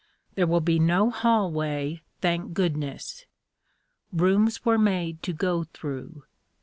There will be no hallway, thank goodness. Rooms were made to go through.